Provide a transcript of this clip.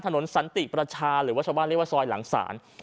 สันติประชาหรือว่าชาวบ้านเรียกว่าซอยหลังศาล